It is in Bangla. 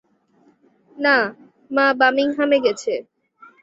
না, মা বার্মিংহামে গেছে।